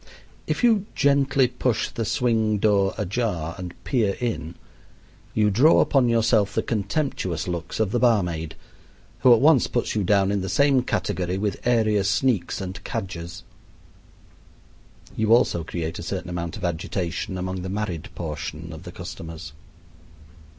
If you gently push the swing door ajar and peer in you draw upon yourself the contemptuous looks of the barmaid, who at once puts you down in the same category with area sneaks and cadgers. You also create a certain amount of agitation among the married portion of the customers.